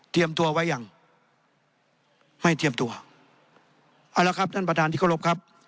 ตัวไว้ยังไม่เตรียมตัวเอาละครับท่านประธานที่เคารพครับ